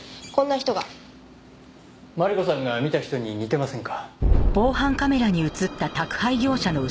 マリコさんが見た人に似てませんか？